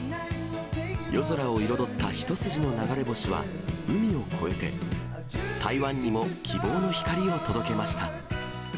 夜空を彩った一筋の流れ星は、海を越えて、台湾にも希望の光を届けました。